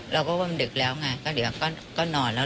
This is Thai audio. เราก็ว่ามันดึกแล้วไงก็เดี๋ยวก็นอนแล้ว